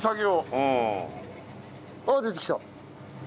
うん。あっ出てきた。